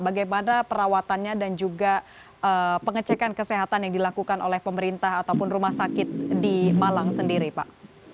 bagaimana perawatannya dan juga pengecekan kesehatan yang dilakukan oleh pemerintah ataupun rumah sakit di malang sendiri pak